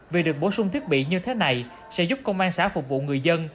vì được bổ sung thiết bị như thế này sẽ giúp công an xã phục vụ người dân